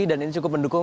dan ini cukup mendukung